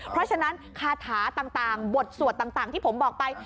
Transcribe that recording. เพราะฉะนั้นคาถาต่างบทสวดต่างที่ผมบอกไป